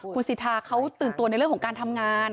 คุณสิทธาเขาตื่นตัวในเรื่องของการทำงาน